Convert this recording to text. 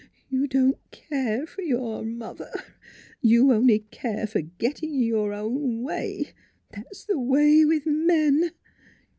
You don't care for your mother. You only care for getting your own way. That's the way with men."